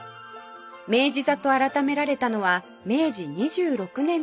「明治座」と改められたのは明治２６年の事でした